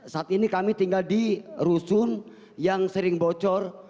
saat ini kami tinggal di rusun yang sering bocor